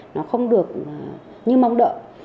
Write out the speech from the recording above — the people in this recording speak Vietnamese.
nó không được như mong đợi